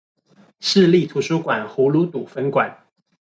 市立圖書館葫蘆堵分館